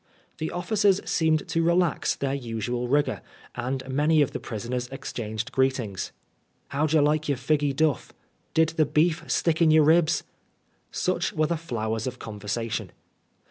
The officers seemed to relax their usual rigor, and many of the prisoners exchanged greetings. "How did yer like the figgy duff ?"" Did the beef stick in yer ribs?" Such were the flowers of conversation.